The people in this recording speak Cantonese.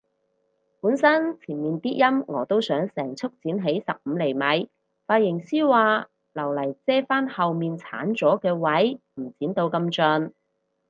本身前面啲陰我都想成束剪起十五厘米，髮型師話留嚟遮返後面剷咗嘅位唔剪到咁盡